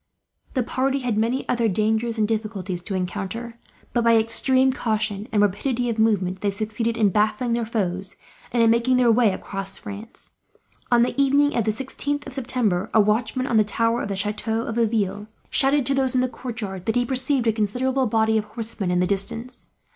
The party had many other dangers and difficulties to encounter but, by extreme caution and rapidity of movement, they succeeded in baffling their foes, and in making their way across France. On the evening of the 16th of September, a watchman on a tower of the chateau of Laville shouted, to those in the courtyard, that he perceived a considerable body of horsemen in the distance.